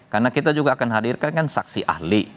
karena kita juga akan hadirkan kan saksi ahli